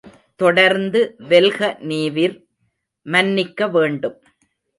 தொடர்ந்து வெல்க நீவிர், மன்னிக்க வேண்டும்.